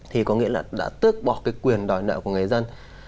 thì có nghĩa là đã tước bỏ cái quyền đòi nợ của người dân